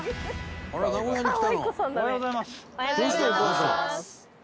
おはようございます。